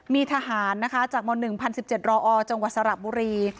มีทหารนะคะจากม๑๐๑๗รอจังหวัดสระบุรี